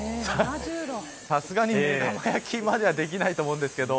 さすがに目玉焼きまではできないと思うんですけど